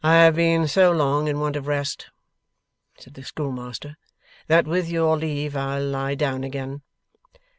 'I have been so long in want of rest,' said the schoolmaster, 'that with your leave I'll lie down again.